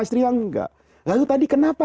istri yang enggak lalu tadi kenapa